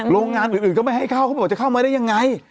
โรงงานอื่นก็ไม่ให้เข้าเขาบอกจะเข้ามาได้ยังไง